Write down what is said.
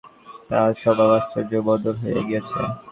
তাহার স্বভাব আশ্চর্য বদল হইয়া গিয়াছে।